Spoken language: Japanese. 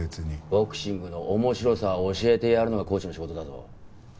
ボクシングの面白さを教えてやるのがコーチの仕事だぞ。